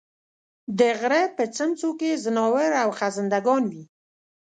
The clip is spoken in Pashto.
د غرۀ په څمڅو کې ځناور او خزندګان وي